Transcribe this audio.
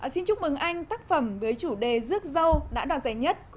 xin chúc mừng anh tác phẩm với chủ đề rước dâu đã đoạt giải nhất